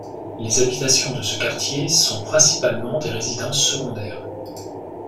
Les habitations de ce quartier sont principalement des résidences secondaires.